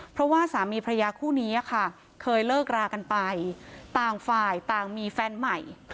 เพราะว่าสามีพระยาคู่นี้ค่ะเคยเลิกรากันไปต่างฝ่ายต่างมีแฟนใหม่